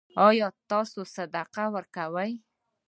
ایا تاسو صدقه ورکوئ؟